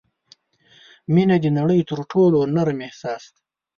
• مینه د نړۍ تر ټولو نرم احساس دی.